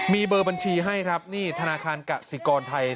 มีเบอร์บัญชีให้ครับนี่ธนาคารกสิกรไทย